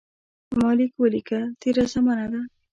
ما لیک ولیکه تېره زمانه ده.